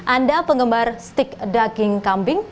anda pengembar stik daging kambing